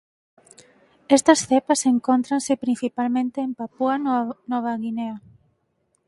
Estas cepas encóntranse principalmente en Papúa Nova Guinea.